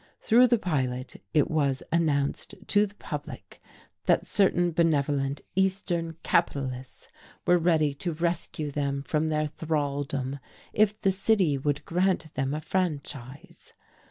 Through the Pilot it was announced to the public that certain benevolent "Eastern capitalists" were ready to rescue them from their thraldom if the city would grant them a franchise.